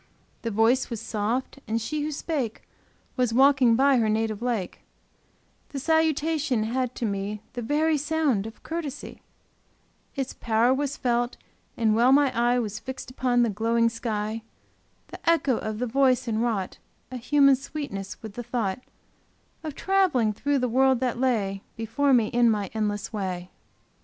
The voice was soft and she who spake Was walking by her native lake: The salutation had to me The very sound of courtesy: Its power was felt; and while my eye Was fixed upon the glowing sky, The echo of the voice enwrought A human sweetness with the thought Of traveling through the world that lay Before me in my endless way.